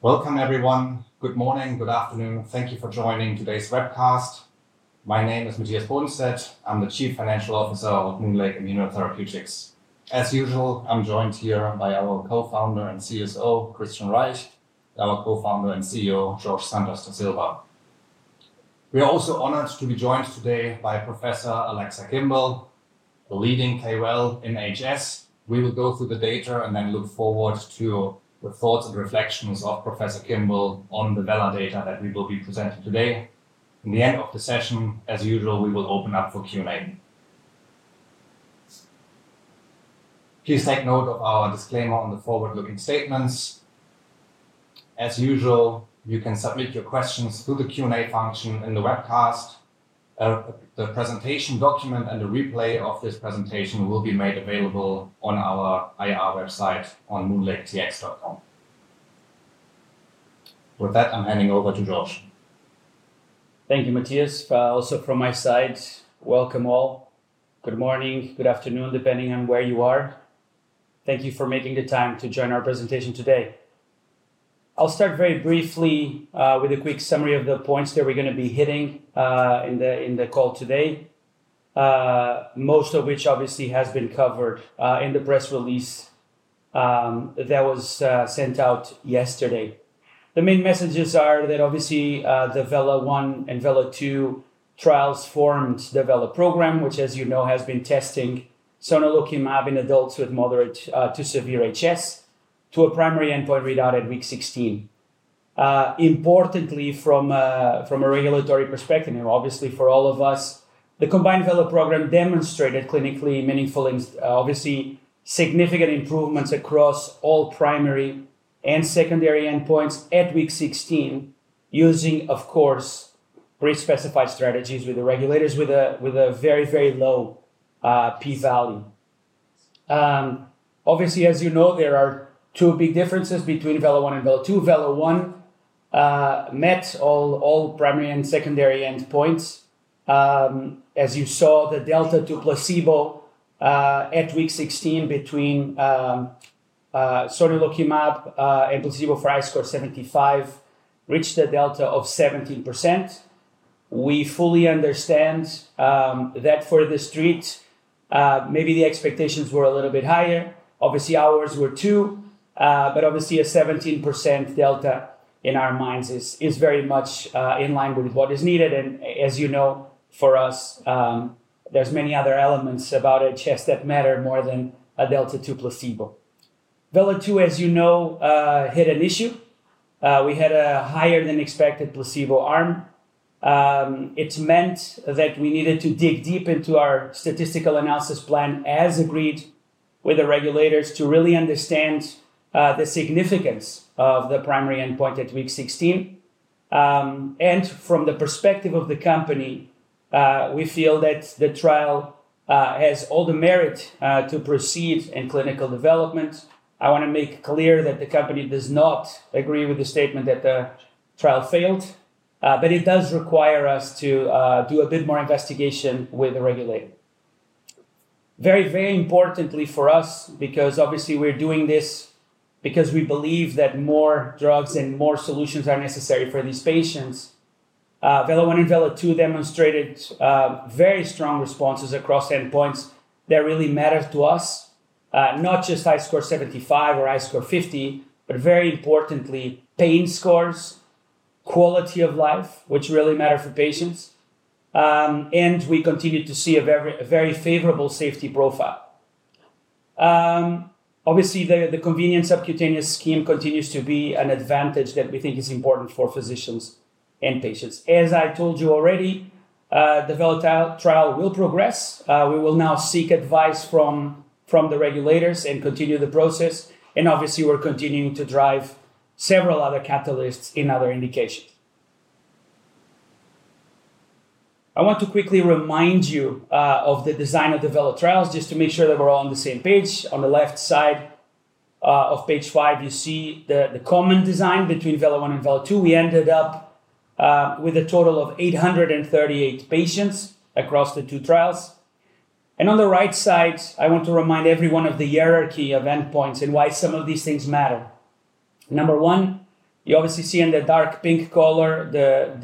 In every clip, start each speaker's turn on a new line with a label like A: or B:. A: Welcome, everyone. Good morning, good afternoon. Thank you for joining today's webcast. My name is Matthias Bornstedt. I'm the Chief Financial Officer of MoonLake Immunotherapeutics. As usual, I'm joined here by our Co-Founder and CSO, Christian Reich, and our Co-Founder and CEO, Jorge Santos da Silva. We are also honored to be joined today by Professor Alexa Kimball, a leading KOL in HS. We will go through the data and then look forward to the thoughts and reflections of Professor Kimball on the VELA data that we will be presenting today. At the end of the session, as usual, we will open up for Q&A. Please take note of our disclaimer on the forward-looking statements. As usual, you can submit your questions through the Q&A function in the webcast. The presentation document and the replay of this presentation will be made available on our IR website on MoonLake TXO. With that, I'm handing over to Jorge.
B: Thank you, Matthias. Also from my side, welcome all. Good morning, good afternoon, depending on where you are. Thank you for making the time to join our presentation today. I'll start very briefly with a quick summary of the points that we're going to be hitting in the call today, most of which obviously have been covered in the press release that was sent out yesterday. The main messages are that obviously the VELA-1 and VELA-2 trials formed the VELA program, which, as you know, has been testing sonelokimab in adults with moderate to severe HS to a primary endpoint readout at week 16. Importantly, from a regulatory perspective, and obviously for all of us, the combined VELA program demonstrated clinically meaningful and obviously significant improvements across all primary and secondary endpoints at week 16, using, of course, pre-specified strategies with the regulators with a very, very low P value. Obviously, as you know, there are two big differences between VELA-1 and VELA-2. VELA-1 met all primary and secondary endpoints. As you saw, the delta to placebo at week 16 between sonelokimab and placebo for I-score 75 reached a delta of 17%. We fully understand that for the streets, maybe the expectations were a little bit higher. Obviously, ours were too, but obviously a 17% delta in our minds is very much in line with what is needed. As you know, for us, there's many other elements about HS that matter more than a delta to placebo. VELA-2, as you know, hit an issue. We had a higher-than-expected placebo arm. It meant that we needed to dig deep into our statistical analysis plan, as agreed with the regulators, to really understand the significance of the primary endpoint at week 16. From the perspective of the company, we feel that the trial has all the merit to proceed in clinical development. I want to make clear that the company does not agree with the statement that the trial failed, but it does require us to do a bit more investigation with the regulator. Very, very importantly for us, because obviously we're doing this because we believe that more drugs and more solutions are necessary for these patients. VELA-1 and VELA-2 demonstrated very strong responses across endpoints that really matter to us, not just I-score 75 or I-score 50, but very importantly, pain scores, quality of life, which really matter for patients. We continue to see a very favorable safety profile. Obviously, the convenience of cutaneous scheme continues to be an advantage that we think is important for physicians and patients. As I've told you already, the VELA trial will progress. We will now seek advice from the regulators and continue the process. We're continuing to drive several other catalysts in other indications. I want to quickly remind you of the design of the VELA trials just to make sure that we're all on the same page. On the left side of page five, you see the common design between VELA-1 and VELA-2. We ended up with a total of 838 patients across the two trials. On the right side, I want to remind everyone of the hierarchy of endpoints and why some of these things matter. Number one, you obviously see in the dark pink color the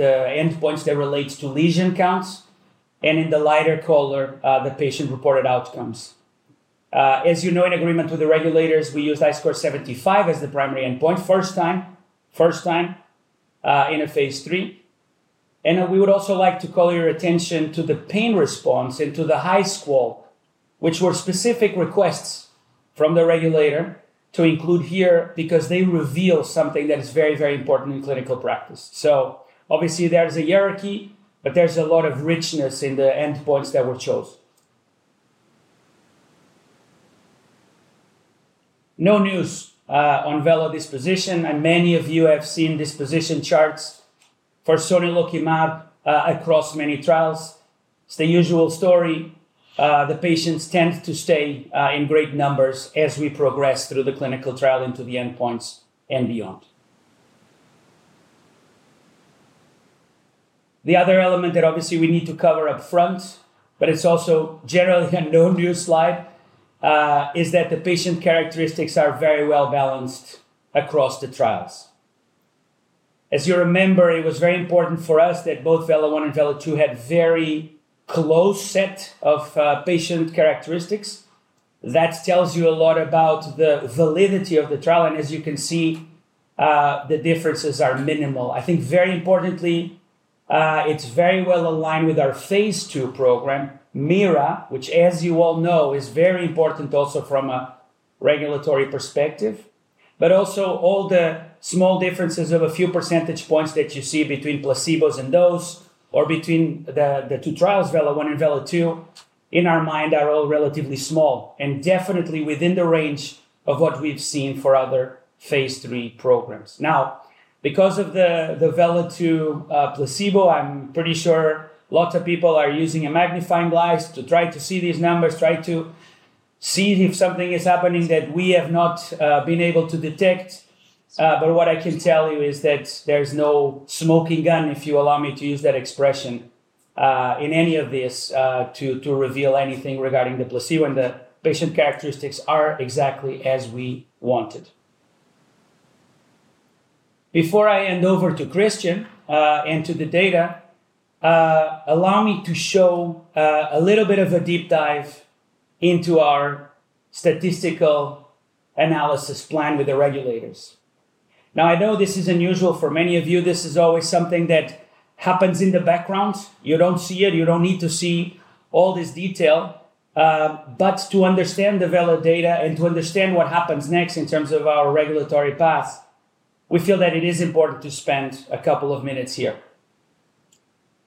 B: endpoints that relate to lesion counts, and in the lighter color, the patient-reported outcomes. As you know, in agreement with the regulators, we used I-score 75 as the primary endpoint, first time, first time in a phase 3. We would also like to call your attention to the pain response and to the HiSCR, which were specific requests from the regulator to include here because they reveal something that is very, very important in clinical practice. There's a hierarchy, but there's a lot of richness in the endpoints that were chosen. No news on VELA disposition, and many of you have seen disposition charts for sonelokimab across many trials. It's the usual story. The patients tend to stay in great numbers as we progress through the clinical trial into the endpoints and beyond. The other element that we need to cover up front, but it's also generally a known news slide, is that the patient characteristics are very well balanced across the trials. As you remember, it was very important for us that both VELA-1 and VELA-2 have a very close set of patient characteristics. That tells you a lot about the validity of the trial, and as you can see, the differences are minimal. I think very importantly, it's very well aligned with our phase 2 program, MIRA, which, as you all know, is very important also from a regulatory perspective, but also all the small differences of a few % points that you see between placebos and those, or between the two trials, VELA-1 and VELA-2, in our mind are all relatively small and definitely within the range of what we've seen for other phase 3 programs. Now, because of the VELA-2 placebo, I'm pretty sure lots of people are using a magnifying glass to try to see these numbers, try to see if something is happening that we have not been able to detect. What I can tell you is that there's no smoking gun, if you allow me to use that expression, in any of this to reveal anything regarding the placebo, and the patient characteristics are exactly as we wanted. Before I hand over to Christian and to the data, allow me to show a little bit of a deep dive into our statistical analysis plan with the regulators. I know this is unusual for many of you. This is always something that happens in the background. You don't see it. You don't need to see all this detail. To understand the VELA data and to understand what happens next in terms of our regulatory path, we feel that it is important to spend a couple of minutes here.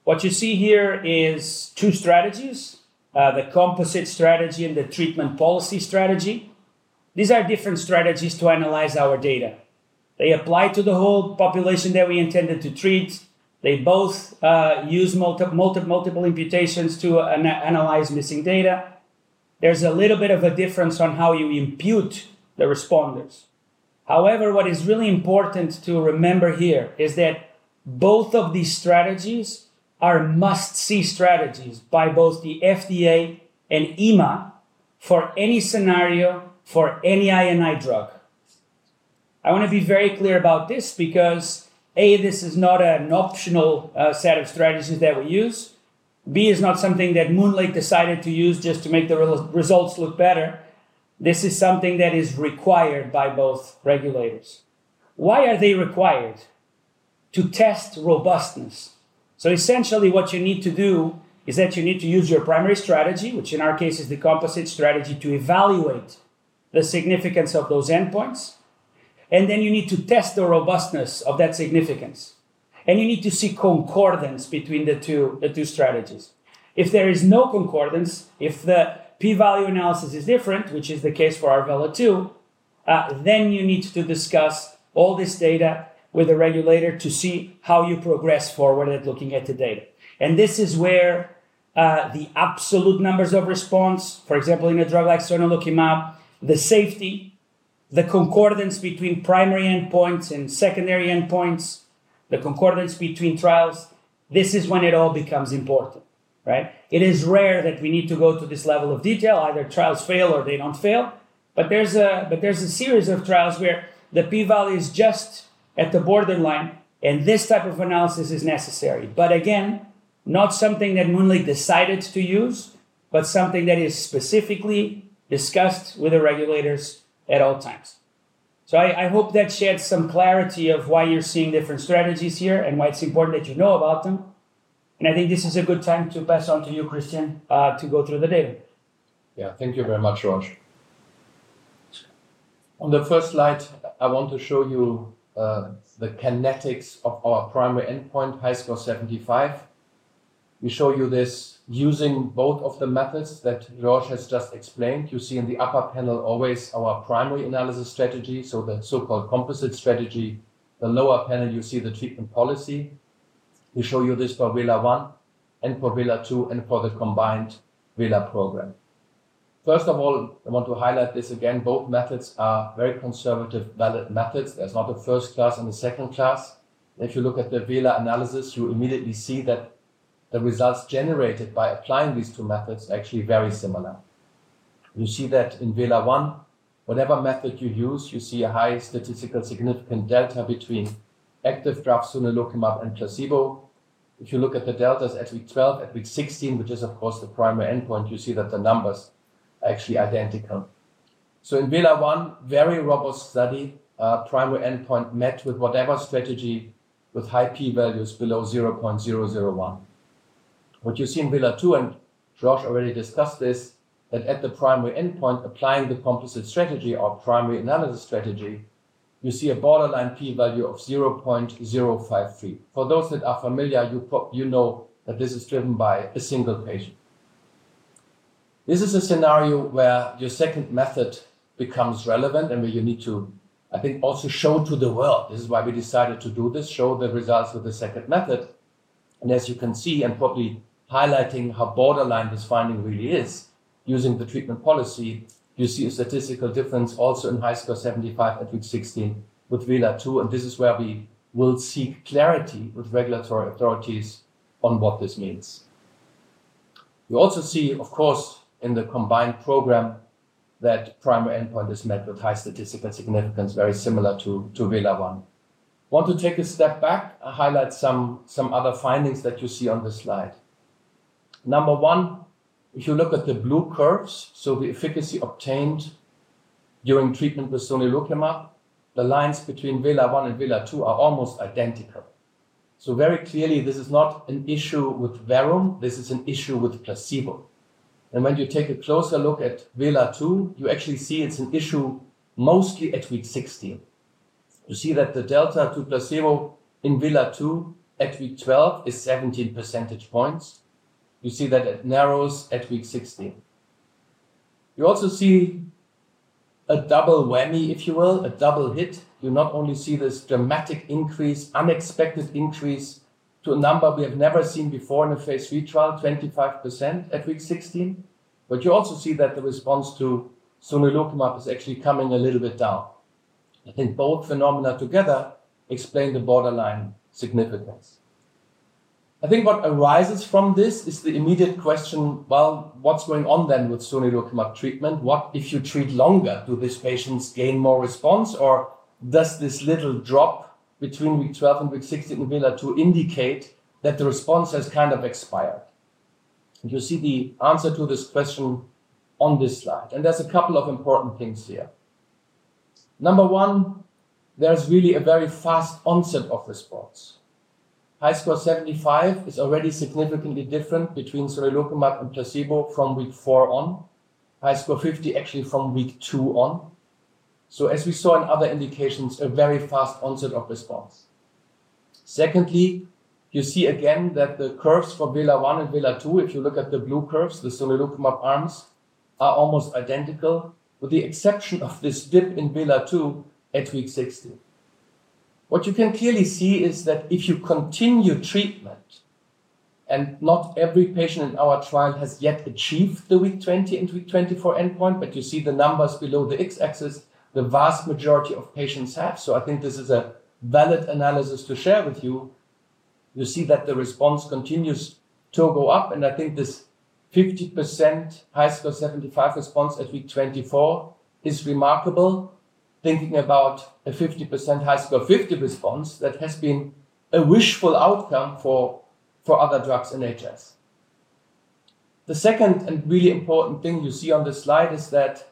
B: What you see here is two strategies: the composite strategy and the treatment policy strategy. These are different strategies to analyze our data. They apply to the whole population that we intended to treat. They both use multiple imputations to analyze missing data. There's a little bit of a difference on how you impute the responders. However, what is really important to remember here is that both of these strategies are must-see strategies by both the FDA and EMA for any scenario for any INI drug. I want to be very clear about this because A, this is not an optional set of strategies that we use. B, it's not something that MoonLake decided to use just to make the results look better. This is something that is required by both regulators. Why are they required? To test robustness. Essentially, what you need to do is that you need to use your primary strategy, which in our case is the composite strategy, to evaluate the significance of those endpoints. You need to test the robustness of that significance. You need to see concordance between the two strategies. If there is no concordance, if the P-value analysis is different, which is the case for our VELA-2, then you need to discuss all this data with the regulator to see how you progress forward at looking at the data. This is where the absolute numbers of response, for example, in a drug like sonelokimab, the safety, the concordance between primary endpoints and secondary endpoints, the concordance between trials, this is when it all becomes important. It is rare that we need to go to this level of detail. Either trials fail or they don't fail. There is a series of trials where the P-value is just at the borderline, and this type of analysis is necessary. Again, not something that MoonLake Immunotherapeutics decided to use, but something that is specifically discussed with the regulators at all times. I hope that sheds some clarity on why you're seeing different strategies here and why it's important that you know about them. I think this is a good time to pass on to you, Christian, to go through the data.
C: Yeah, thank you very much, Jorge. On the first slide, I want to show you the kinetics of our primary endpoint, HiSCR 75. We show you this using both of the methods that Jorge has just explained. You see in the upper panel always our primary analysis strategy, so the so-called composite strategy. In the lower panel, you see the treatment policy. We show you this for VELA-1 and for VELA-2 and for the combined VELA program. First of all, I want to highlight this again. Both methods are very conservative methods. There's not a first class and a second class. If you look at the VELA analysis, you immediately see that the results generated by applying these two methods are actually very similar. You see that in VELA-1, whatever method you use, you see a high statistical significant delta between active drug, sonelokimab, and placebo. If you look at the deltas at week 12, at week 16, which is, of course, the primary endpoint, you see that the numbers are actually identical. In VELA-1, very robust study, primary endpoint met with whatever strategy with high P-values below 0.001. What you see in VELA-2, and Jorge already discussed this, and at the primary endpoint, applying the composite strategy or primary analysis strategy, you see a borderline P-value of 0.053. For those that are familiar, you probably know that this is driven by a single patient. This is a scenario where your second method becomes relevant and where you need to, I think, also show to the world. This is why we decided to do this, show the results of the second method. As you can see, I'm probably highlighting how borderline this finding really is using the treatment policy. You see a statistical difference also in HiSCR 75 at week 16 with VELA-2. This is where we will seek clarity with regulatory authorities on what this means. We also see, of course, in the combined program that primary endpoint is met with high statistical significance, very similar to VELA-1. I want to take a step back and highlight some other findings that you see on this slide. Number one, if you look at the blue curves, so the efficacy obtained during treatment with sonelokimab, the lines between VELA-1 and VELA-2 are almost identical. Very clearly, this is not an issue with VELA-1. This is an issue with placebo. When you take a closer look at VELA-2, you actually see it's an issue mostly at week 16. You see that the delta to placebo in VELA-2 at week 12 is 17 percentage points. You see that it narrows at week 16. You also see a double whammy, if you will, a double hit. You not only see this dramatic increase, unexpected increase to a number we have never seen before in a phase 3 trial, 25% at week 16, but you also see that the response to sonelokimab is actually coming a little bit down. I think both phenomena together explain the borderline significance. I think what arises from this is the immediate question, what's going on then with sonelokimab treatment? If you treat longer, do these patients gain more response, or does this little drop between week 12 and week 16 in VELA-2 indicate that the response has kind of expired? You see the answer to this question on this slide. There are a couple of important things here. Number one, there's really a very fast onset of response. HiSCR 75 is already significantly different between sonelokimab and placebo from week 4 on. HiSCR 50 actually from week 2 on. As we saw in other indications, a very fast onset of response. Secondly, you see again that the curves for VELA-1 and VELA-2, if you look at the blue curves, the sonelokimab arms are almost identical, with the exception of this dip in VELA-2 at week 16. What you can clearly see is that if you continue treatment, and not every patient in our trial has yet achieved the week 20 and week 24 endpoint, but you see the numbers below the x-axis, the vast majority of patients have. I think this is a valid analysis to share with you. You see that the response continues to go up, and I think this 50% HiSCR 75 response at week 24 is remarkable. Thinking about a 50% HiSCR 50 response, that has been a wishful outcome for other drugs in hidradenitis suppurativa. The second and really important thing you see on this slide is that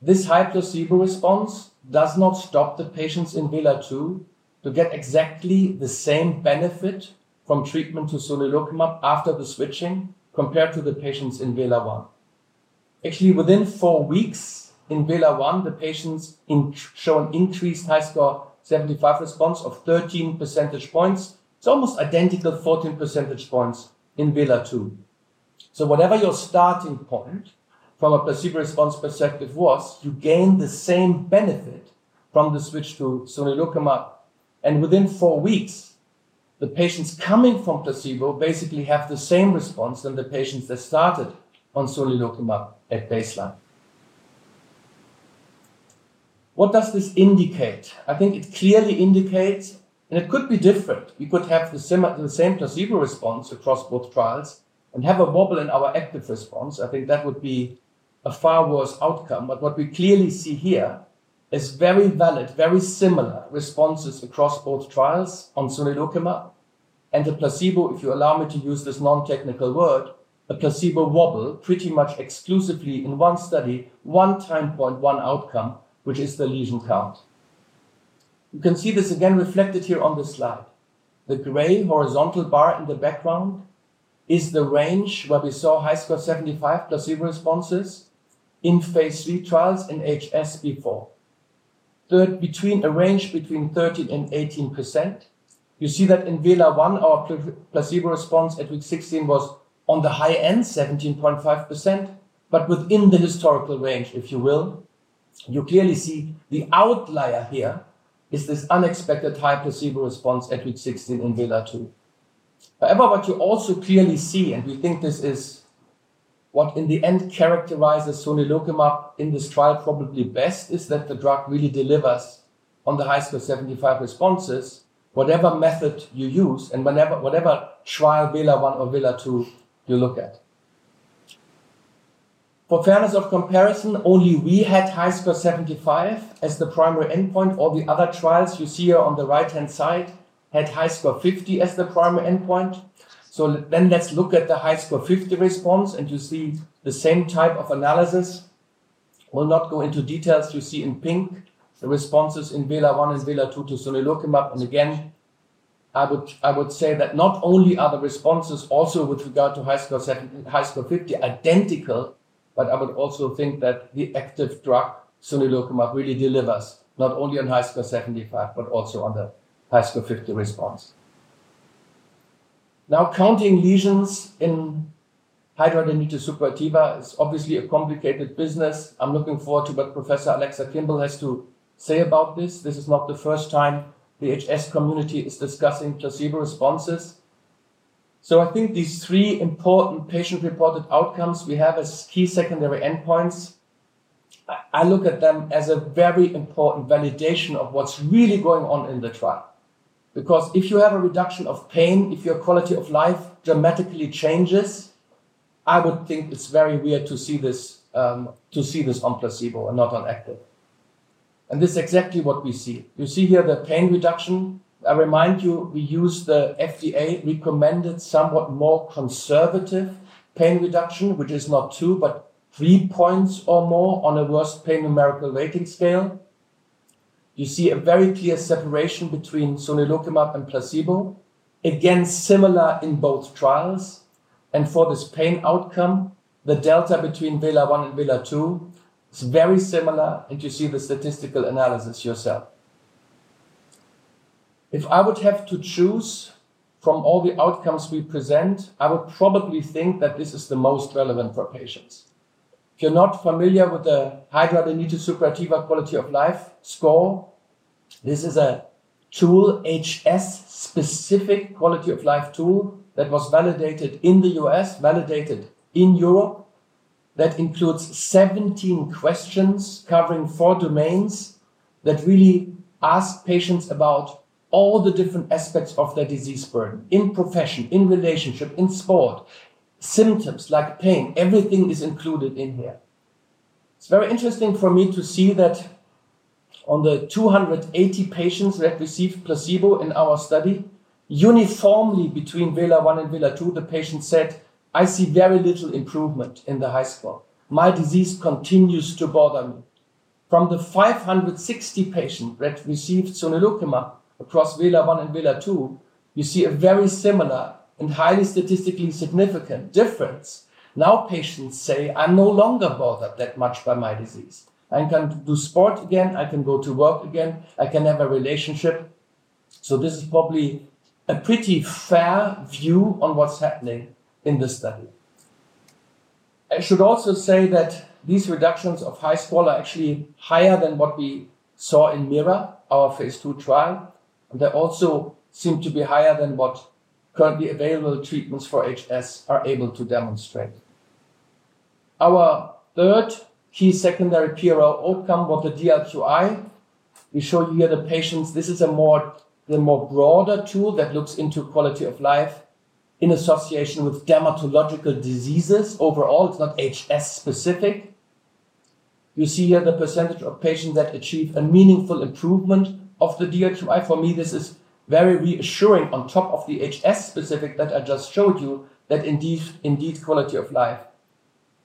C: this high placebo response does not stop the patients in VELA-2 from getting exactly the same benefit from treatment with sonelokimab after the switching compared to the patients in VELA-1. Within four weeks in VELA-1, the patients show an increased HiSCR 75 response of 13 percentage points. It's almost identical, 14 percentage points in VELA-2. Whatever your starting point from a placebo response perspective was, you gained the same benefit from the switch to sonelokimab. Within four weeks, the patients coming from placebo basically have the same response as the patients that started on sonelokimab at baseline. What does this indicate? I think it clearly indicates, and it could be different. We could have the same placebo response across both trials and have a wobble in our active response. I think that would be a far worse outcome. What we clearly see here is very valid, very similar responses across both trials on sonelokimab and the placebo, if you allow me to use this non-technical word, a placebo wobble pretty much exclusively in one study, one time point, one outcome, which is the lesion count. You can see this again reflected here on this slide. The gray horizontal bar in the background is the range where we saw HiSCR 75 placebo responses in phase 3 trials in HS before. Between a range between 13% and 18%, you see that in VELA-1, our placebo response at week 16 was on the high end, 17.5%, but within the historical range, if you will. You clearly see the outlier here is this unexpected high placebo response at week 16 in VELA-2. However, what you also clearly see, and we think this is what in the end characterizes sonelokimab in this trial probably best, is that the drug really delivers on the HiSCR 75 responses, whatever method you use and whatever trial VELA-1 or VELA-2 you look at. For fairness of comparison only, we had HiSCR 75 as the primary endpoint. All the other trials you see here on the right-hand side had HiSCR 50 as the primary endpoint. Let's look at the HiSCR 50 response, and you see the same type of analysis. We'll not go into details. You see in pink the responses in VELA-1 and VELA-2 to sonelokimab. I would say that not only are the responses also with regard to HiSCR 50 identical, but I would also think that the active drug sonelokimab really delivers not only on HiSCR 75, but also on the HiSCR 50 response. Now, counting lesions in hidradenitis suppurativa is obviously a complicated business. I'm looking forward to what Professor Alexa Kimball has to say about this. This is not the first time the HS community is discussing placebo responses. I think these three important patient-reported outcomes we have as key secondary endpoints, I look at them as a very important validation of what's really going on in the trial. Because if you have a reduction of pain, if your quality of life dramatically changes, I would think it's very weird to see this on placebo and not on active. This is exactly what we see. You see here the pain reduction. I remind you, we use the FDA-recommended somewhat more conservative pain reduction, which is not two, but three points or more on a worst pain numerical rating scale. You see a very clear separation between sonelokimab and placebo. Again, similar in both trials. For this pain outcome, the delta between VELA-1 and VELA-2 is very similar, and you see the statistical analysis yourself. If I would have to choose from all the outcomes we present, I would probably think that this is the most relevant for patients. If you're not familiar with the hidradenitis suppurativa quality of life score, this is a tool, HS-specific quality of life tool that was validated in the U.S., validated in Europe, that includes 17 questions covering four domains that really ask patients about all the different aspects of their disease burden: in profession, in relationship, in sport, symptoms like pain. Everything is included in here. It's very interesting for me to see that on the 280 patients that received placebo in our study, uniformly between VELA-1 and VELA-2, the patients said, "I see very little improvement in the high score. My disease continues to bother me." From the 560 patients that received sonelokimab across VELA-1 and VELA-2, you see a very similar and highly statistically significant difference. Now patients say, "I'm no longer bothered that much by my disease. I can do sport again. I can go to work again. I can have a relationship." This is probably a pretty fair view on what's happening in this study. I should also say that these reductions of high score are actually higher than what we saw in MIRA, our phase two trial. They also seem to be higher than what currently available treatments for HS are able to demonstrate. Our third key secondary key outcome was the DLQI. We show you here the patients. This is a more broader tool that looks into quality of life in association with dermatological diseases. Overall, it's not HS-specific. You see here the percentage of patients that achieve a meaningful improvement of the DLQI. For me, this is very reassuring on top of the HS-specific that I just showed you, that indeed quality of life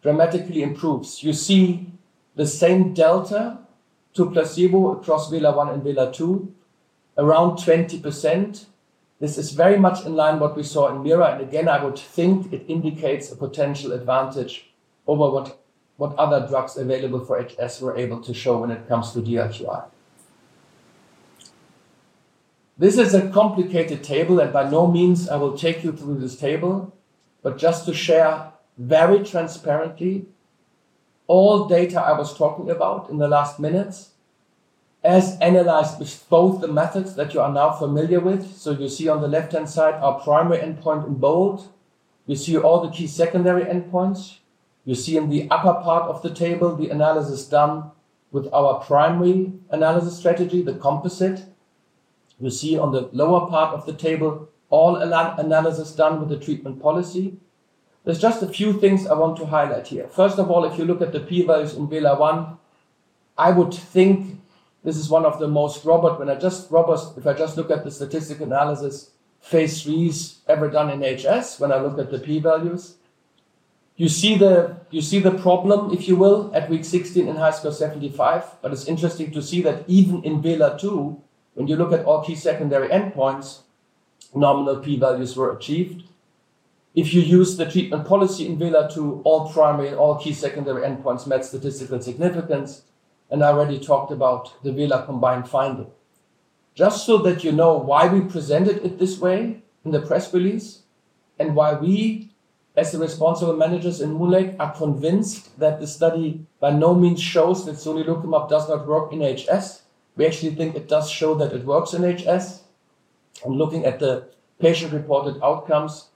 C: dramatically improves. You see the same delta to placebo across VELA-1 and VELA-2, around 20%. This is very much in line with what we saw in MIRA, and again, I would think it indicates a potential advantage over what other drugs available for HS were able to show when it comes to DLQI. This is a complicated table, and by no means I will take you through this table, but just to share very transparently all data I was talking about in the last minutes as analyzed with both the methods that you are now familiar with. You see on the left-hand side our primary endpoint in bold. You see all the key secondary endpoints. You see in the upper part of the table the analysis done with our primary analysis strategy, the composite. You see on the lower part of the table all analysis done with the treatment policy. There's just a few things I want to highlight here. First of all, if you look at the P-values in VELA-1, I would think this is one of the most robust, if I just look at the statistic analysis, phase 3's ever done in HS, when I look at the P-values. You see the problem, if you will, at week 16 in HiSCR 75, but it's interesting to see that even in VELA-2, when you look at all key secondary endpoints, nominal P-values were achieved. If you use the treatment policy in VELA-2, all primary, all key secondary endpoints match statistical significance, and I already talked about the VELA combined finding. Just so that you know why we presented it this way in the press release and why we, as the responsible managers in MoonLake Immunotherapeutics, are convinced that the study by no means shows that sonelokimab does not work in HS. We actually think it does show that it works in HS. I'm looking at the patient-reported outcomes.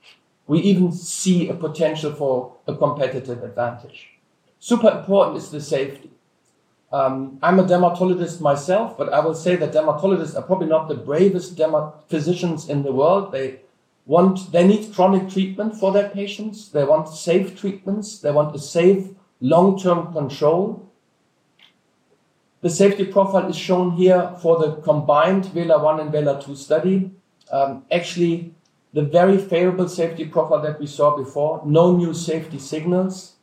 C: We even see a potential for a competitive advantage. Super important is the safety. I'm a dermatologist myself, but I will say that dermatologists are probably not the bravest derma physicians in the world. They want, they need chronic treatment for their patients. They want safe treatments. They want a safe long-term control. The safety profile is shown here for the combined VELA-1 and VELA-2 study. Actually, the very favorable safety profile that we saw before, no new safety signals.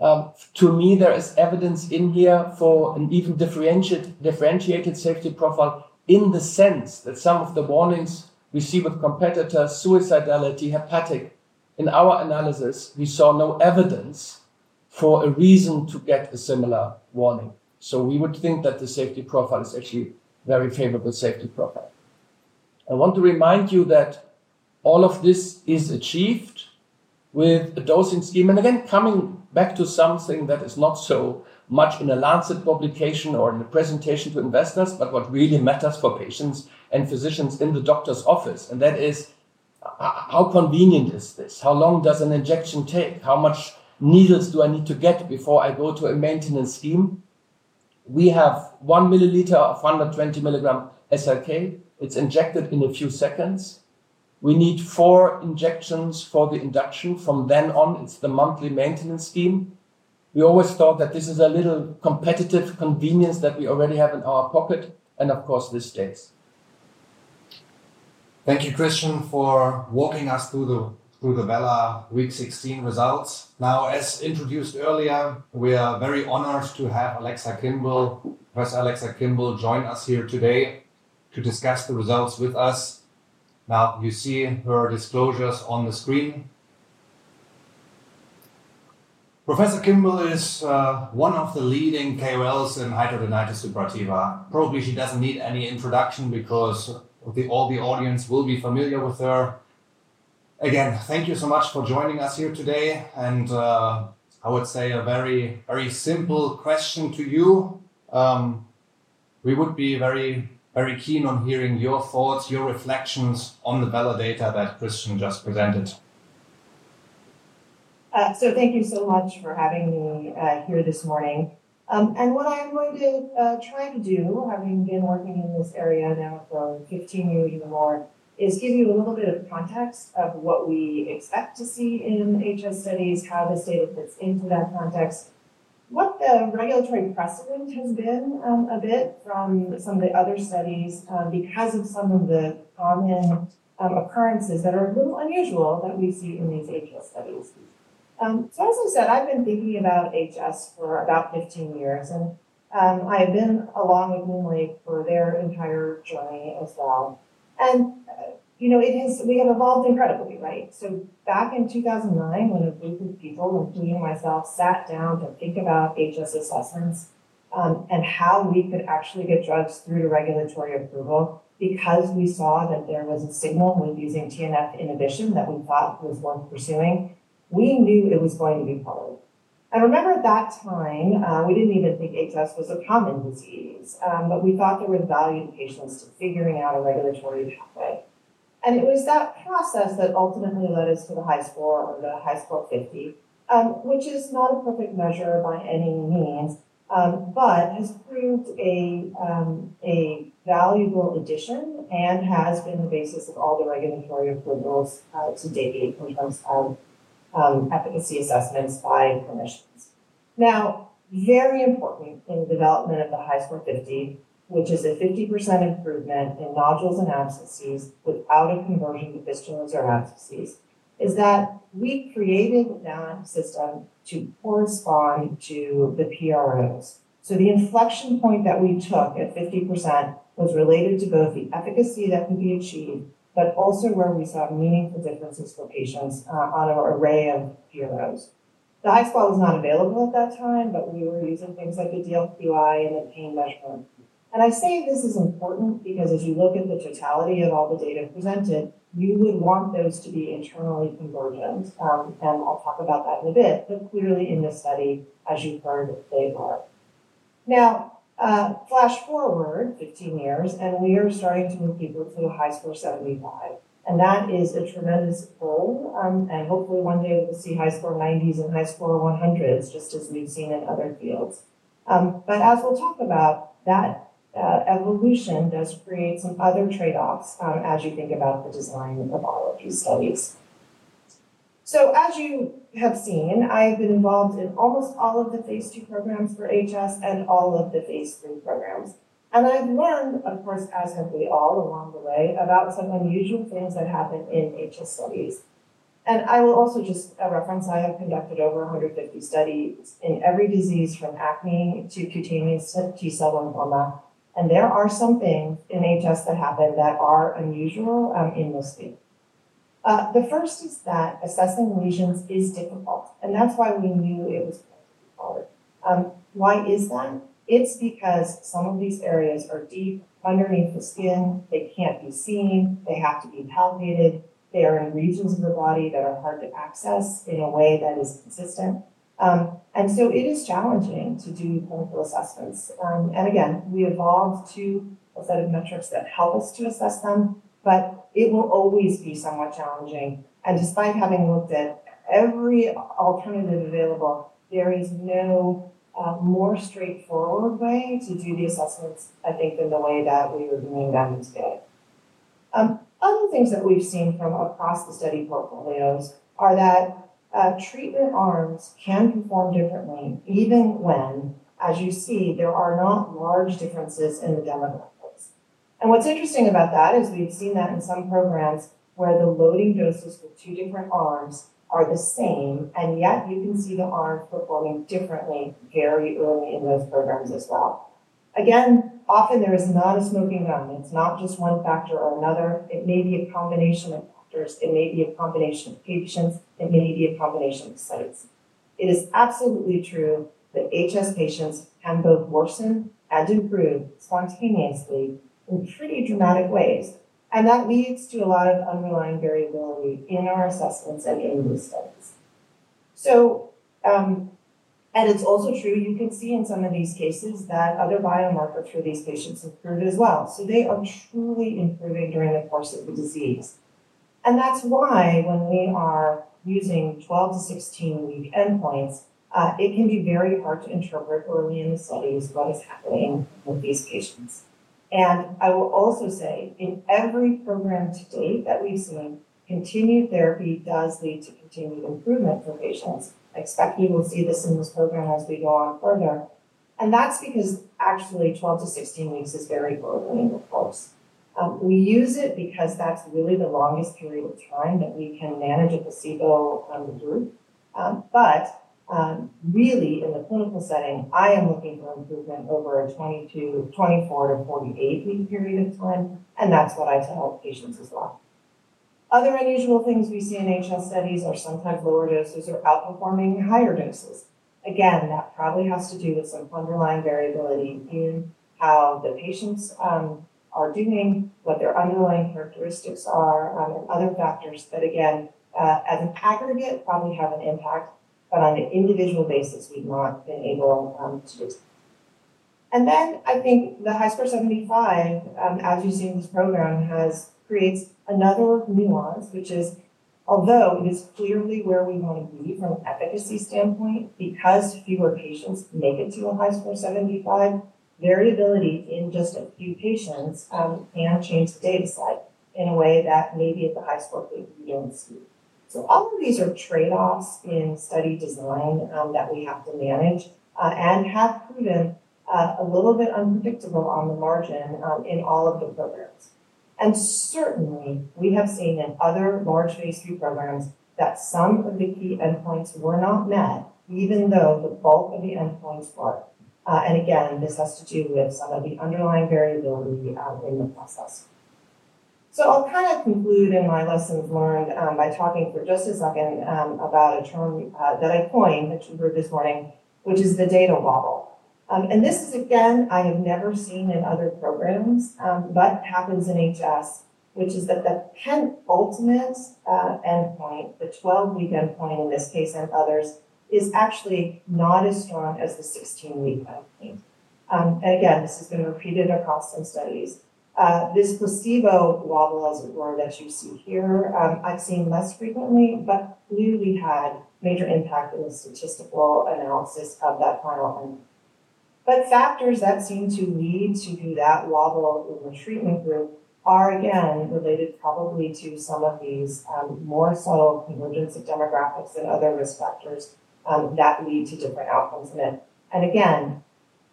C: To me, there is evidence in here for an even differentiated safety profile in the sense that some of the warnings we see with competitors, suicidality, hepatic. In our analysis, we saw no evidence for a reason to get a similar warning. We would think that the safety profile is actually a very favorable safety profile. I want to remind you that all of this is achieved with the dosing scheme. Again, coming back to something that is not so much in a Lancet publication or in a presentation to investors, what really matters for patients and physicians in the doctor's office is how convenient is this? How long does an injection take? How many needles do I need to get before I go to a maintenance scheme? We have 1 milliliter of 120 milligram sonelokimab. It's injected in a few seconds. We need four injections for the induction. From then on, it's the monthly maintenance scheme. We always thought that this is a little competitive convenience that we already have in our pocket, and of course, this stays.
A: Thank you, Christian, for walking us through the VELA week 16 results. Now, as introduced earlier, we are very honored to have Professor Alexa Kimball join us here today to discuss the results with us. You see her disclosures on the screen. Professor Kimball is one of the leading KOLs in hidradenitis suppurativa. Probably she doesn't need any introduction because all the audience will be familiar with her. Thank you so much for joining us here today. I would say a very, very simple question to you. We would be very, very keen on hearing your thoughts, your reflections on the VELA data that Christian just presented.
D: Thank you so much for having me here this morning. What I'm going to try to do, having been working in this area now for 15 years or more, is give you a little bit of context of what we expect to see in HS studies, how the data fits into that context. What the regulatory precedent has been a bit from some of the other studies because of some of the ongoing occurrences that are a little unusual that we see in these HS studies. As I said, I've been thinking about HS for about 15 years, and I've been along with MoonLake Immunotherapeutics for their entire journey as well. We have evolved incredibly quickly. Back in 2009, when a group of people, including myself, sat down to think about HS assessments and how we could actually get drugs through to regulatory approval because we saw that there was a signal with using TNF inhibition that we thought was worth pursuing, we knew it was going to be hard. I remember at that time, we didn't even think HS was a common disease, but we thought there were value patients to figuring out a regulatory pathway. It was that process that ultimately led us to the HiSCR, or the HiSCR 50, which is not a perfect measure by any means, but has proved a valuable addition and has been the basis of all the regulatory approvals out to date when it comes to efficacy assessments by clinicians. Very important in the development of the HiSCR 50, which is a 50% improvement in nodules and abscesses without a conversion to fistulas or abscesses, is that we've created the NAH system to correspond to the PROs. The inflection point that we took at 50% was related to both the efficacy that could be achieved, but also where we saw meaningful differences for patients on our array of PROs. The HiSCR was not available at that time, but we were using things like the DLQi and the pain measurement. I say this is important because as you look at the totality of all the data presented, you would want those to be internally convergent. I'll talk about that in a bit. They're clearly in this study, as you've heard, they are. Flash forward 15 years, and we are starting to move people to the HiSCR 75. That is a tremendous goal. Hopefully, one day we will see HiSCR 90s and HiSCR 100s, just as we've seen in other fields. As we'll talk about, that evolution does create some other trade-offs as you think about the design of all of these studies. As you have seen, I've been involved in almost all of the phase 2 programs for HS and all of the phase 3 programs. I've learned, of course, as have we all along the way, about some unusual things that happen in HS studies. I will also just reference I have conducted over 150 studies in every disease from acne to cutaneous and T-cell lymphoma. There are some things in HS that happen that are unusual in this space. The first is that assessing lesions is difficult. That's why we knew it was going to be hard. Why is that? It's because some of these areas are deep underneath the skin. They can't be seen. They have to be palpated. They are in regions of the body that are hard to access in a way that is consistent. It is challenging to do clinical assessments. We evolved to a set of metrics that help us to assess them, but it will always be somewhat challenging. Despite having looked at every alternative available, there is no more straightforward way to do the assessments, I think, than the way that we would do them. Other things that we've seen from across the study portfolios are that treatment arms can perform differently even when, as you see, there are not large differences in the donor levels. What's interesting about that is we've seen that in some programs where the loading doses for two different arms are the same, and yet you can see the arms performing differently very early in those programs as well. Often there is not a smoking gun. It's not just one factor or another. It may be a combination of factors. It may be a combination of patients. It may be a combination of studies. It is absolutely true that HS patients can both worsen and improve spontaneously in pretty dramatic ways. That leads to a lot of underlying variability in our assessments and in these studies. It's also true you could see in some of these cases that other biomarkers for these patients improve as well. They are truly improving during the course of the disease. That's why when we are using 12 to 16-week endpoints, it can be very hard to interpret early in the studies what is happening with these patients. I will also say in every program to date that we've seen, continued therapy does lead to continued improvement for patients. I expect you will see this in this program as we go on further. That's because actually 12 to 16 weeks is very global in the world. We use it because that's really the longest period of time that we can manage a placebo group. In the clinical setting, I am looking for improvement over a 22 to 24 to 48-week period of time, and that's what I tell patients as well. Other unusual things we see in hidradenitis suppurativa (HS) studies are sometimes lower doses are outperforming higher doses. That probably has to do with some underlying variability in how the patients are doing, what their underlying characteristics are, and other factors that, as an aggregate, probably have an impact. On an individual basis, we've not been able to. I think the HiSCR 75, as you see in this program, creates another nuance, which is although it is clearly where we want to be from an efficacy standpoint, because fewer patients make it to a HiSCR 75, variability in just a few patients may change the data set in a way that maybe at the HiSCR 50 we don't see. All of these are trade-offs in study design that we have to manage and have proven a little bit unpredictable on the margin in all of the programs. We have seen in other large phase 3 programs that some of the key endpoints were not met, even though the bulk of the endpoints were. This has to do with some of the underlying variability in the process. I'll conclude in my lessons learned by talking for just a second about a term that I coined to group this morning, which is the data wobble. I have never seen this in other programs, but it happens in HS, which is that the ultimate endpoint, the 12-week endpoint in this case and others, is actually not as strong as the 16-week endpoint. This has been repeated across some studies. This placebo wobble, as you see here, I've seen less frequently, but it clearly had a major impact on the statistical analysis of that final endpoint. Factors that seem to need to be that wobble in the treatment group are probably related to some of these more so emerging demographics and other risk factors that lead to different outcomes in it.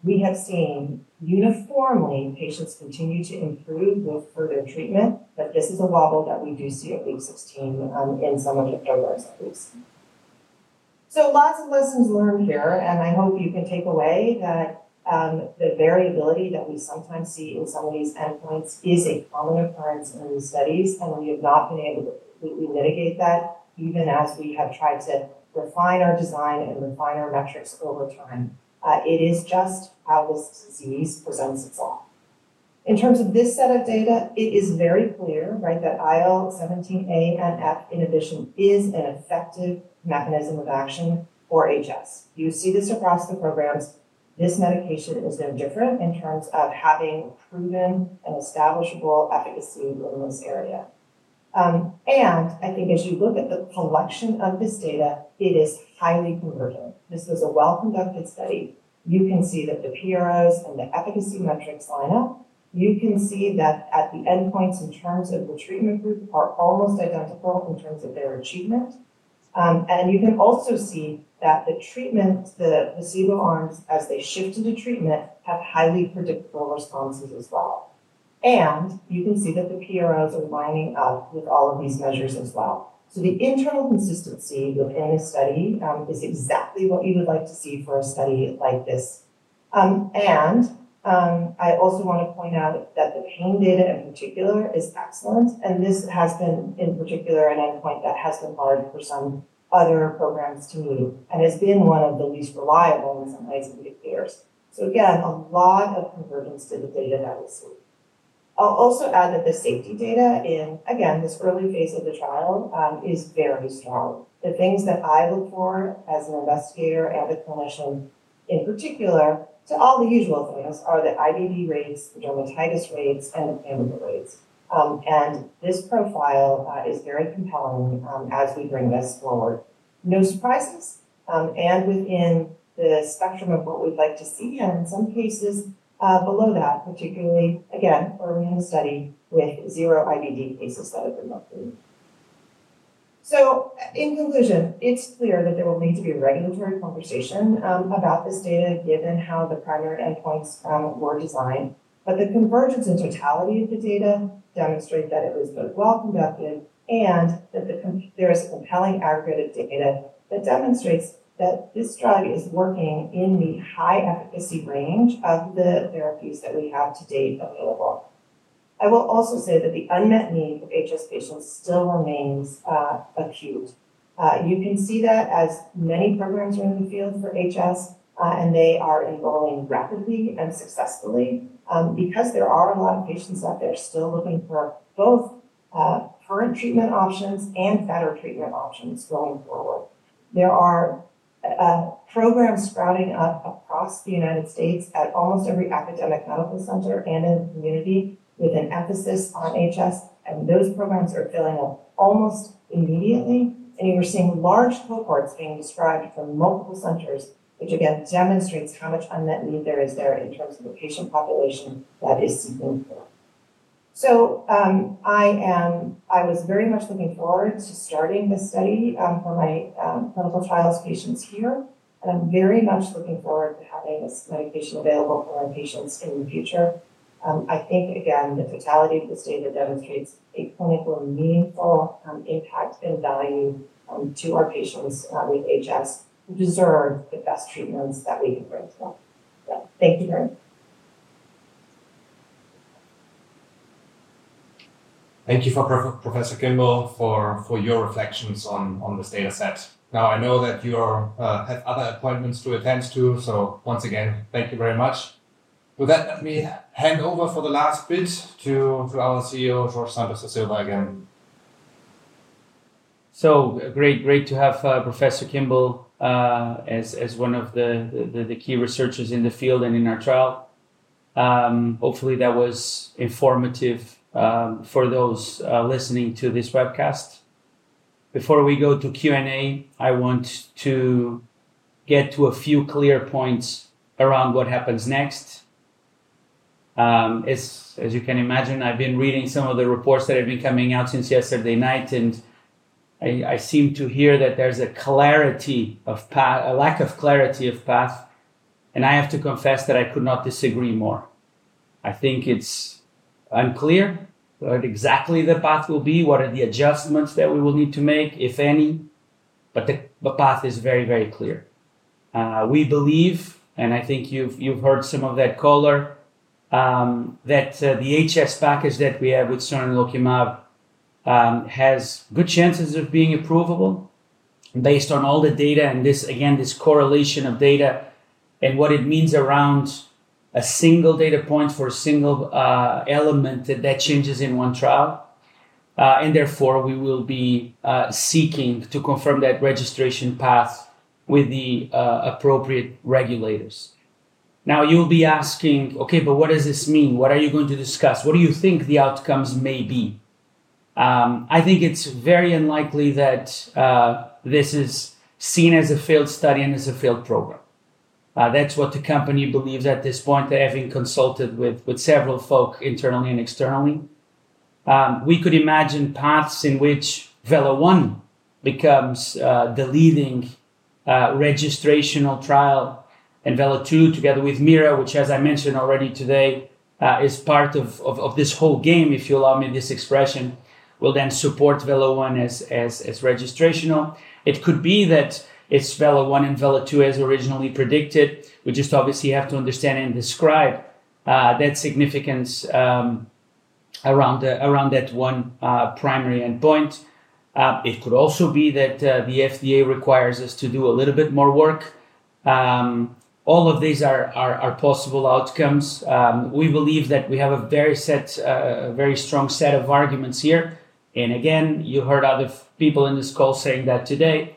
D: We have seen uniformly patients continue to improve with further treatment, but this is a model that we do see at week 16 in some of the programs that we've seen. Lots of lessons learned here, and I hope you can take away that the variability that we sometimes see in some of these endpoints is a common occurrence in these studies. We have not been able to completely mitigate that, even as we have tried to refine our design and refine our metrics over time. It is just how this disease presents itself. In terms of this set of data, it is very clear, right, that IL-17A and F inhibition is an effective mechanism of action for HS. You see this across the programs. This medication is no different in terms of having proven an establishable efficacy in this area. I think as you look at the collection of this data, it is highly convergent. This is a well-conducted study. You can see that the PROs and the efficacy metrics line up. You can see that the endpoints in terms of the treatment group are almost identical in terms of their achievement. You can also see that the treatment, the placebo arms, as they shift to the treatment, have highly predictable responses as well. You can see that the PROs are lining up with all of these measures as well. The internal consistency in a study is exactly what you would like to see for a study like this. I also want to point out that the pain data in particular is excellent. This has been in particular an endpoint that has been hard for some other programs to move. It's been one of the least reliable in some ways in these years. Again, a lot of convergence in the data that we see. I'll also add that the safety data in, again, this early phase of the trial is very strong. The things that I look for as an investigator and the clinician in particular, to all the usual clinics, are the IBD rates, dermatitis rates, and amyloids. This profile is very compelling as we bring this forward. No surprises. Within the spectrum of what we'd like to see, and in some cases below that, particularly, again, early in the study with zero IBD cases that have been locked in. In conclusion, it's clear that there will need to be a regulatory conversation about this data given how the primary endpoints were designed. The convergence in totality of the data demonstrates that it was both well-conducted and that there is compelling aggregated data that demonstrates that this drug is working in the high efficacy range of the therapies that we have to date available. I will also say that the unmet need for HS patients still remains acute. You can see that as many programs are in the field for HS, and they are enrolling rapidly and successfully because there are a lot of patients out there still looking for both current treatment options and better treatment options going forward. There are programs sprouting up across the United States at almost every academic medical center and in the community with an emphasis on HS. Those programs are filling almost immediately. You are seeing large cohorts being described from multiple centers, which again demonstrates how much unmet need there is in terms of the patient population that is seeking care. I was very much looking forward to starting this study for my clinical trials patients here. I'm very much looking forward to having this medication available for our patients in the future. I think, again, the totality of this data demonstrates a clinical meaningful impact and value to our patients with HS who deserve the best treatments that we can bring to them. Thank you very much.
A: Thank you to Professor Kimball for your reflections on this data set. I know that you have other appointments to attend to. Once again, thank you very much. With that, let me hand over for the last bit to our CEO, Jorge Santos da Silva, again.
B: Great to have Professor Kimball as one of the key researchers in the field and in our trial. Hopefully, that was informative for those listening to this webcast. Before we go to Q&A, I want to get to a few clear points around what happens next. As you can imagine, I've been reading some of the reports that have been coming out since yesterday night, and I seem to hear that there's a clarity of path, a lack of clarity of path. I have to confess that I could not disagree more. I think it's unclear what exactly the path will be, what are the adjustments that we will need to make, if any, but the path is very, very clear. We believe, and I think you've heard some of that caller, that the HS package that we have with sonelokimab has good chances of being approvable based on all the data. This, again, this correlation of data and what it means around a single data point for a single element that changes in one trial. Therefore, we will be seeking to confirm that registration path with the appropriate regulators. Now, you'll be asking, okay, but what does this mean? What are you going to discuss? What do you think the outcomes may be? I think it's very unlikely that this is seen as a failed study and as a failed program. That's what the company believes at this point, having consulted with several folk internally and externally. We could imagine paths in which VELA-1 becomes the leading registrational trial and VELA-2 together with MIRA, which, as I mentioned already today, is part of this whole game, if you allow me this expression, will then support VELA-1 as registrational. It could be that it's VELA-1 and VELA-2 as originally predicted. We just obviously have to understand and describe that significance around that one primary endpoint. It could also be that the FDA requires us to do a little bit more work. All of these are possible outcomes. We believe that we have a very strong set of arguments here. You heard other people in this call saying that today.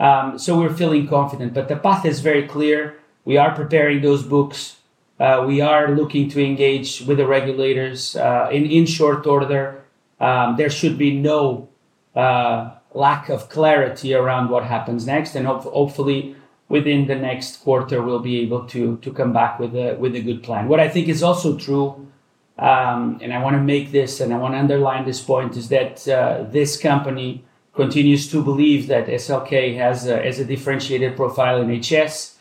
B: We're feeling confident, but the path is very clear. We are preparing those books. We are looking to engage with the regulators in short order. There should be no lack of clarity around what happens next. Hopefully, within the next quarter, we'll be able to come back with a good plan. What I think is also true, and I want to make this, and I want to underline this point, is that this company continues to believe that SLK has a differentiated profile in HS,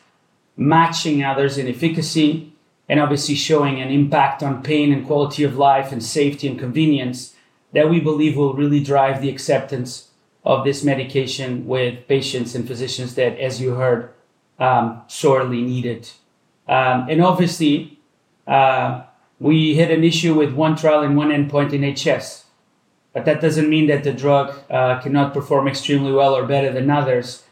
B: matching others in efficacy, and obviously showing an impact on pain and quality of life and safety and convenience that we believe will really drive the acceptance of this medication with patients and physicians that, as you heard, surely need it. Obviously, we had an issue with one trial and one endpoint in HS, but that doesn't mean that the drug cannot perform extremely well or better than others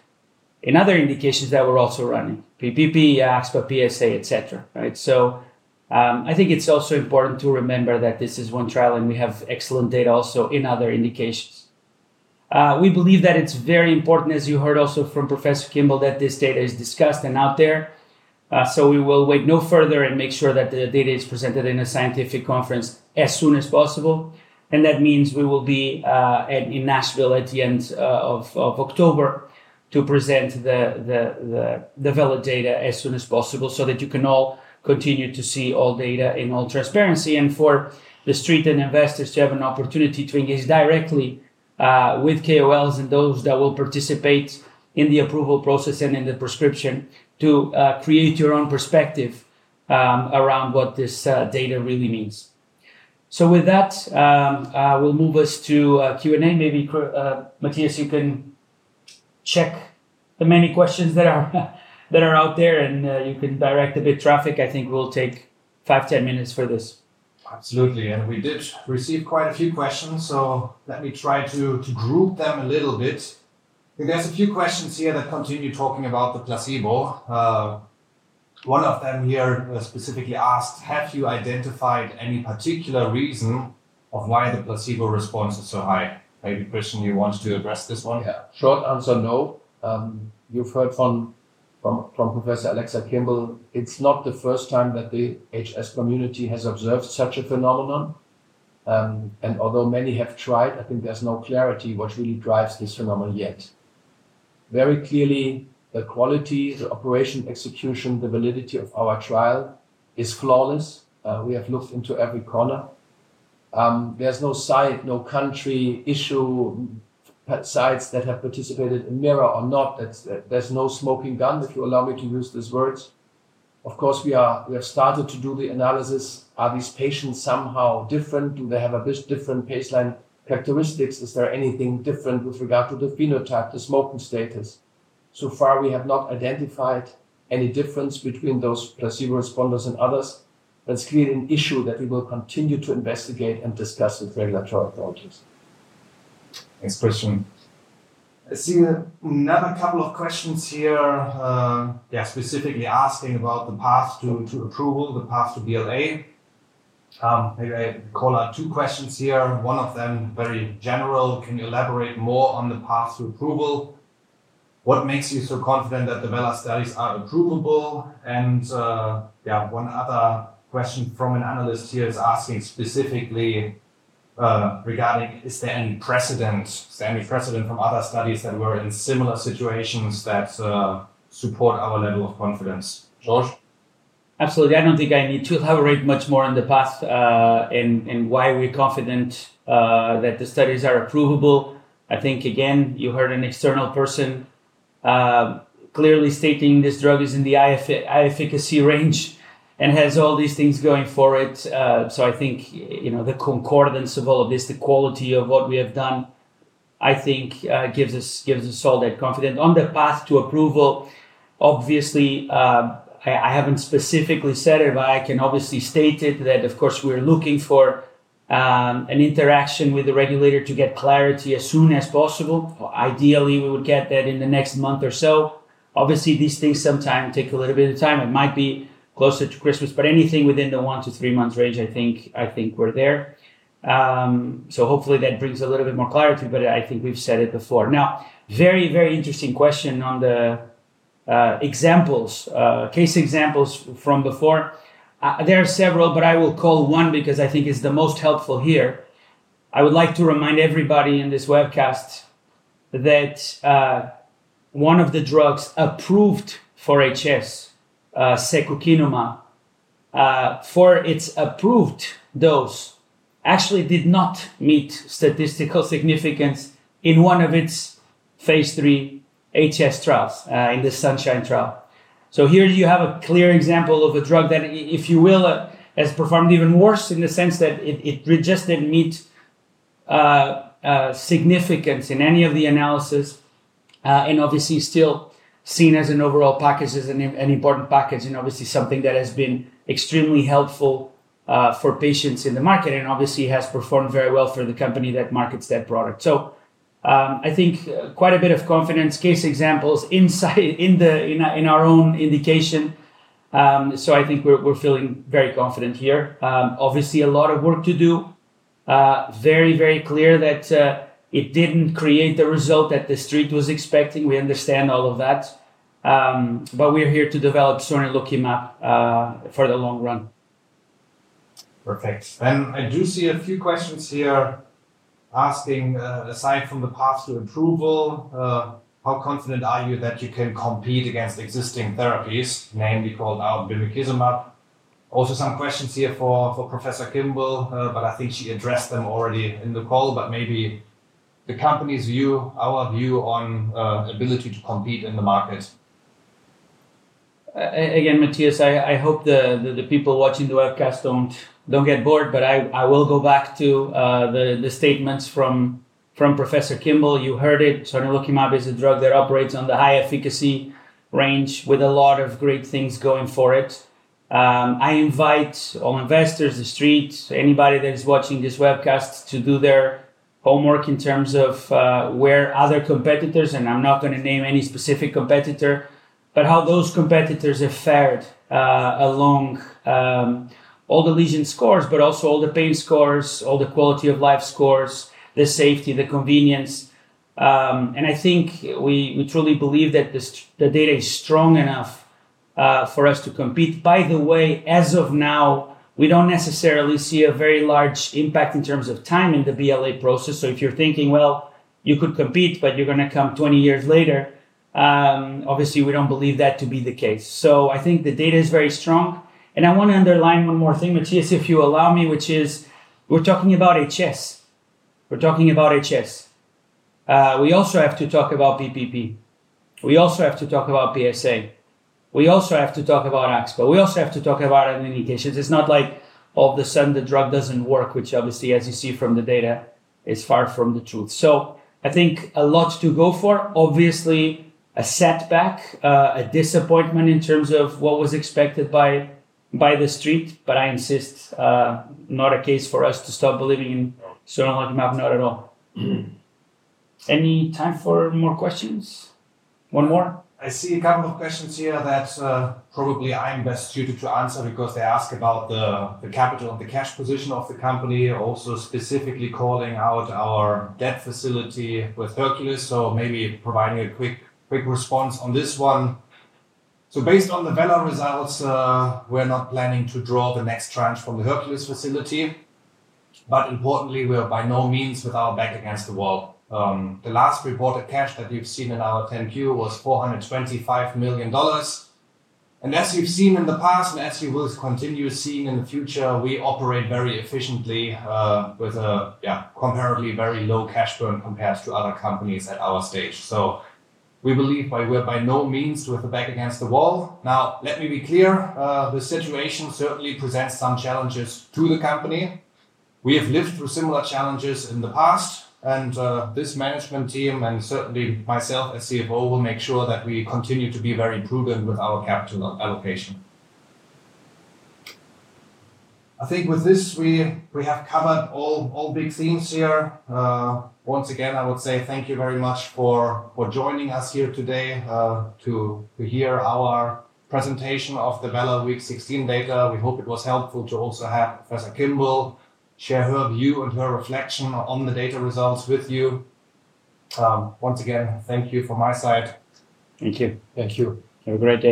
B: in other indications that we're also running: PPP, ASPA, PSA, et cetera. I think it's also important to remember that this is one trial and we have excellent data also in other indications. We believe that it's very important, as you heard also from Professor Kimball, that this data is discussed and out there. We will wait no further and make sure that the data is presented in a scientific conference as soon as possible. That means we will be in Nashville at the end of October to present the VELA data as soon as possible so that you can all continue to see all data in all transparency and for the street and investors to have an opportunity to engage directly with KOLs and those that will participate in the approval process and in the prescription to create your own perspective around what this data really means. With that, we'll move us to Q&A. Maybe, Matthias, you can check the many questions that are out there and you can direct a bit of traffic. I think we'll take five, ten minutes for this.
A: Absolutely. We did receive quite a few questions, so let me try to group them a little bit. There are a few questions here that continue talking about the placebo. One of them here specifically asked, have you identified any particular reason of why the placebo response is so high? I have a question you want to address this one. Yeah. Short answer, no. You've heard from Professor Alexa Kimball, it's not the first time that the hidradenitis suppurativa (HS) community has observed such a phenomenon. Although many have tried, I think there's no clarity what really drives this phenomenon yet. Very clearly, the quality, the operation execution, the validity of our trial is flawless. We have looked into every corner. There's no site, no country issue, past sites that have participated in MIRA or not. There's no smoking gun, if you allow me to use these words. Of course, we have started to do the analysis. Are these patients somehow different? Do they have a bit different baseline characteristics? Is there anything different with regard to the phenotype, the smoking status? So far, we have not identified any difference between those placebo responders and others. It's clearly an issue that we will continue to investigate and discuss with regulatory authorities. Next question. I see we have another couple of questions here. They're specifically asking about the path to approval, the path to BLA. Maybe I call out two questions here. One of them, very general, can you elaborate more on the path to approval? What makes you so confident that the VELA studies are approvable? One other question from an analyst here is asking specifically regarding, is there any precedent? Is there any precedent from other studies that were in similar situations that support our level of confidence? Jorge?
B: Absolutely. I don't think I need to elaborate much more on the path and why we're confident that the studies are approvable. I think, again, you heard an external person clearly stating this drug is in the high efficacy range and has all these things going for it. I think the concordance of all of this, the quality of what we have done, gives us all that confidence. On the path to approval, obviously, I haven't specifically said it, but I can obviously state it that, of course, we're looking for an interaction with the regulator to get clarity as soon as possible. Ideally, we would get that in the next month or so. Obviously, these things sometimes take a little bit of time. It might be closer to Christmas, but anything within the one to three months range, I think we're there. Hopefully, that brings a little bit more clarity, but I think we've said it before. Now, very, very interesting question on the examples, case examples from before. There are several, but I will call one because I think it's the most helpful here. I would like to remind everybody in this webcast that one of the drugs approved for hidradenitis suppurativa, secukinumab, for its approved dose, actually did not meet statistical significance in one of its phase 3 hidradenitis suppurativa trials, in the SUNSHINE trial. Here you have a clear example of a drug that, if you will, has performed even worse in the sense that it just didn't meet significance in any of the analysis. Obviously, still seen as an overall package, it is an important package and something that has been extremely helpful for patients in the market and has performed very well for the company that markets that product. I think quite a bit of confidence, case examples inside in our own indication. I think we're feeling very confident here. Obviously, a lot of work to do. Very, very clear that it didn't create the result that the street was expecting. We understand all of that. We are here to develop sonelokimab for the long run.
A: Perfect. I do see a few questions here asking, aside from the path to approval, how confident are you that you can compete against existing therapies, mainly called IMDEKIMAB? Also, some questions here for Professor Kimball, but I think she addressed them already in the call, but maybe the company's view, our view on ability to compete in the market.
B: Again, Matthias, I hope the people watching the webcast don't get bored, but I will go back to the statements from Professor Kimball. You heard it. Sonelokimab is a drug that operates on the high efficacy range with a lot of great things going for it. I invite all investors, the street, anybody that is watching this webcast to do their homework in terms of where other competitors, and I'm not going to name any specific competitor, but how those competitors have fared along all the lesion scores, but also all the pain scores, all the quality of life scores, the safety, the convenience. I think we truly believe that the data is strong enough for us to compete. By the way, as of now, we don't necessarily see a very large impact in terms of time in the BLA process. If you're thinking, you could compete, but you're going to come 20 years later, obviously, we don't believe that to be the case. I think the data is very strong. I want to underline one more thing, Matthias, if you allow me, which is we're talking about HS. We're talking about HS. We also have to talk about PPP. We also have to talk about PSA. We also have to talk about Aspa. We also have to talk about IMDUMIKISUMA. It's not like all of a sudden the drug doesn't work, which obviously, as you see from the data, is far from the truth. I think a lot to go for. Obviously, a setback, a disappointment in terms of what was expected by the street, but I insist, not a case for us to stop believing in sonelokimab, not at all. Any time for more questions? One more?
A: I see a couple of questions here that probably I'm best suited to answer because they ask about the capital and the cash position of the company, also specifically calling out our debt facility with Hercules Capital. Maybe providing a quick response on this one. Based on the VELA results, we're not planning to draw the next tranche from the Hercules Capital facility, but importantly, we are by no means with our back against the wall. The last reported cash that you've seen in our 10-Q was $425 million. As you've seen in the past, and as you will continue seeing in the future, we operate very efficiently with a comparably very low cash flow compared to other companies at our stage. We believe we're by no means with a back against the wall. Now, let me be clear. The situation certainly presents some challenges to the company. We have lived through similar challenges in the past, and this management team and certainly myself as CFO will make sure that we continue to be very prudent with our capital allocation. I think with this, we have covered all big themes here. Once again, I would say thank you very much for joining us here today to hear our presentation of the VELA week 16 data. We hope it was helpful to also have Professor Alexa Kimball share her view and her reflection on the data results with you. Once again, thank you from my side.
B: Thank you. Thank you. Have a great day.